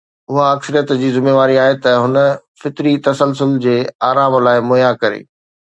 اها اڪثريت جي ذميواري آهي ته هن فطري تسلسل جي آرام لاءِ مهيا ڪري.